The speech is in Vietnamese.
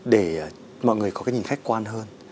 để mọi người có cái nhìn khách quan hơn